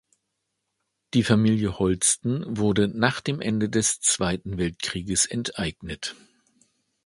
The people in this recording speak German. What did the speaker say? Die Familie Holsten wurde nach dem Ende des Zweiten Weltkrieges enteignet.